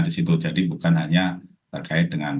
di situ jadi bukan hanya terkait dengan